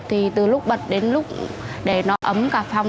thì từ lúc bật đến lúc để nó ấm cả phòng